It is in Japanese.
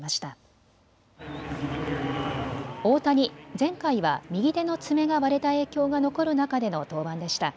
前回は右手の爪が割れた影響が残る中での登板でした。